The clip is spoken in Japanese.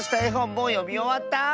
もうよみおわった？